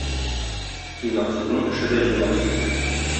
Тыйнаксызның эше дә җыйнаксыз.